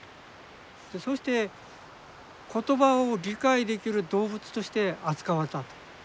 そうして言葉を理解できる動物として扱われたと。